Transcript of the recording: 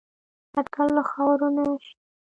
اټکل له خاورو نه شي